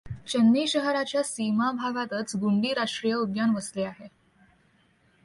चेन्नई शहराच्या सीमाभागातच गुंडी राष्ट्रिय उद्यान वसले आहे.